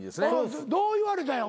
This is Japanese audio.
どう言われたんや？